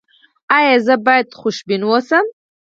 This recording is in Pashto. ایا زه باید خوشبین اوسم؟